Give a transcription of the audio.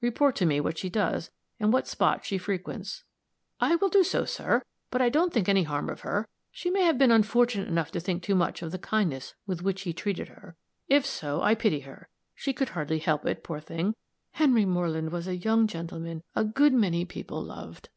Report to me what she does, and what spot she frequents." "I will do so, sir. But I don't think any harm of her. She may have been unfortunate enough to think too much of the kindness with which he treated her. If so, I pity her she could hardly help it, poor thing. Henry Moreland was a young gentleman a good many people loved."